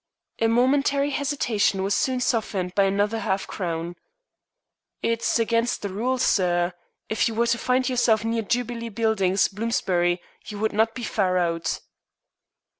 A momentary hesitation was soon softened by another half crown. "It's against the rules, sir. If you were to find yourself near Jubilee Buildings, Bloomsbury, you would not be far out."